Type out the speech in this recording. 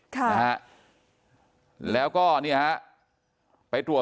กลุ่มตัวเชียงใหม่